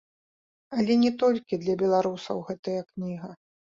Але не толькі для беларусаў гэтая кніга.